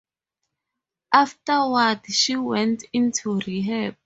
Afterward, she went into rehab.